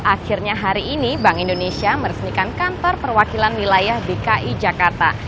akhirnya hari ini bank indonesia meresmikan kantor perwakilan wilayah dki jakarta